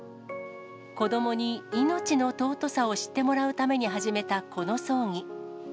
子どもに命の尊さを知ってもらうために始めたこの葬儀。